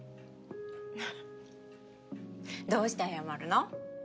どうして謝るの？